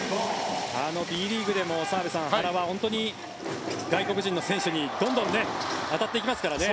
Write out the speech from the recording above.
Ｂリーグでも澤部さん原は外国人の選手にどんどん当たっていきますからね。